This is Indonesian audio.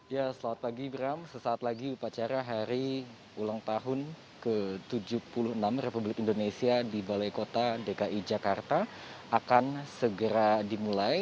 ya selamat pagi ibram sesaat lagi upacara hari ulang tahun ke tujuh puluh enam republik indonesia di balai kota dki jakarta akan segera dimulai